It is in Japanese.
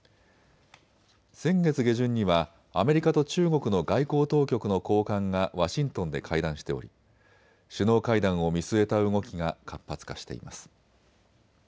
先月下旬にはアメリカと中国の外交当局の高官がワシントンで会談しており、首脳会談を見据えた動きが活発化しています。